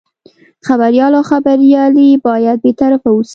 خبریال او خبریالي باید بې طرفه اوسي.